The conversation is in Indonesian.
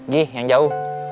gih yang jauh